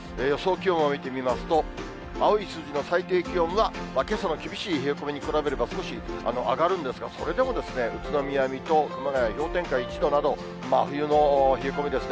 気温を見てみますと、青い数字の最低気温は、けさの厳しい冷え込みに比べれば少し上がるんですが、それでも宇都宮、水戸、熊谷、氷点下１度など、真冬の冷え込みですね。